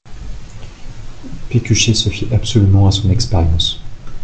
Pécuchet se fiait absolument à son expérience.